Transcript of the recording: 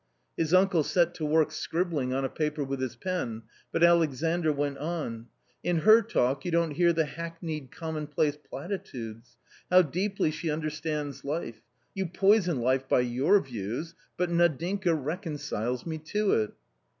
His uncle set to work scribbling on a paper with his pen, but Alexandr went on :" In her talk you don't hear the hackneyed commonplace platitudes. How deeply she understands life ! You poison life by your views, but Nadinka reconciles me to it."